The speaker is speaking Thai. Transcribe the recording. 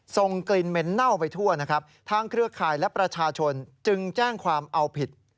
ส่งกลิ่นเหม็นเน่าไปทั่วนะครับทางเครือข่ายและประชาชนจึงแจ้งความเอาผิด